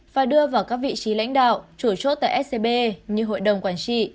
và đưa vào các vị trí lãnh đạo chủ chốt tại scb như hội đồng quản trị